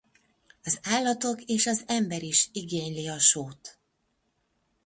Az állatok és az ember is igényli a sót.